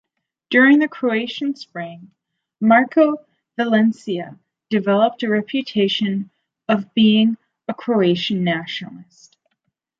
During the Croatian Spring, Marko Veselica developed a reputation of being a Croatian nationalist.